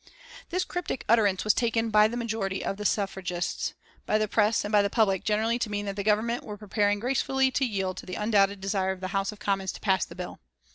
This cryptic utterance was taken by the majority of the suffragists, by the press and by the public generally to mean that the Government were preparing gracefully to yield to the undoubted desire of the House of Commons to pass the bill.